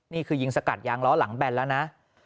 ยิงสกัดยางล้อหลังแบนแล้วนะ